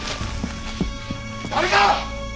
誰か！